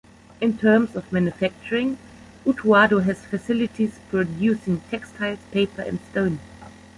In terms of manufacturing, Utuado has facilities producing textiles, paper and stone.